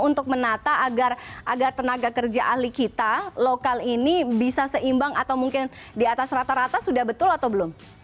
untuk menata agar tenaga kerja ahli kita lokal ini bisa seimbang atau mungkin di atas rata rata sudah betul atau belum